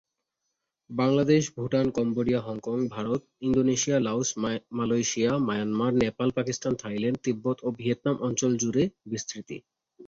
Bangladesh, Bhutan, Cambodia, Hong Kong, Bharat, Indonesia, Laos, Malaysia, Myanmar, Nepal, Pakistan, Thailand, Tibet ও Vietnam অঞ্চল জুড়ে বিস্তৃতি।